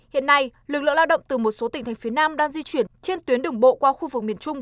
hiện nay lực lượng lao động từ một số tỉnh thành phía nam đang di chuyển trên tuyến đường bộ qua khu vực miền trung